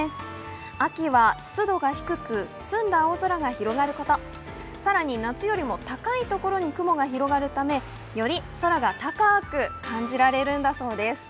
秋は湿度が低く澄んだ青空が広がること更に、夏よりも高いところに雲が広がるため、より空が高く感じられるんだそうです。